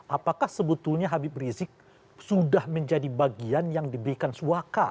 apakah sebetulnya habib rizik sudah menjadi bagian yang diberikan suaka